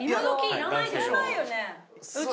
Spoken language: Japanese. いらないよね。